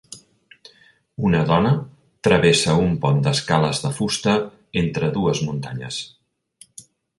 Una dona travessa un pont d'escales de fusta entre dues muntanyes.